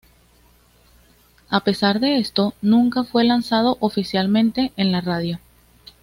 A pesar de esto, nunca fue lanzado oficialmente en la radio.